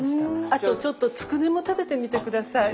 あとちょっとつくねも食べてみて下さい。